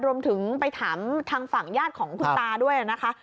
รวมถึงไปถามทางฝั่งญาติของคุณตาด้วยนะคะ